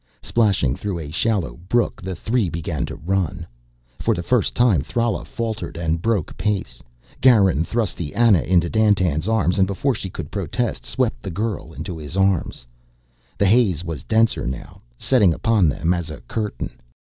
Splashing through a shallow brook, the three began to run. For the first time Thrala faltered and broke pace. Garin thrust the Ana into Dandtan's arms and, before she could protest, swept the girl into his arms. The haze was denser now, settling upon them as a curtain.